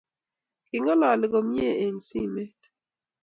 King'alali komyee eng simet